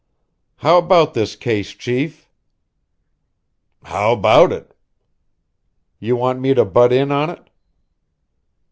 "How about this case, chief?" "How about it?" "You want me to butt in on it?"